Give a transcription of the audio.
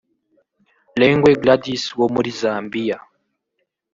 Lengwe Gladys wo muri Zambia